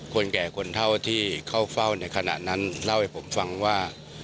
คนแก่คนเท่าที่เข้าเฝ้าในขณะนั้นเล่าให้ผมฟังว่า